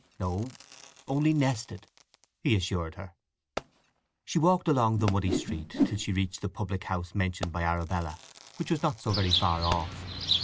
"No—only nested," he assured her. She walked along the muddy street till she reached the public house mentioned by Arabella, which was not so very far off.